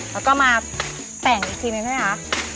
แล้วก็มาแป่งอีกทีหนึ่งนะคะ